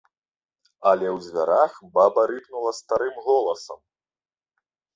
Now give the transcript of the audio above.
Але ў дзвярах баба рыпнула старым голасам.